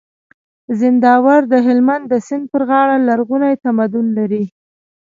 زينداور د هلمند د سيند پر غاړه لرغونی تمدن لري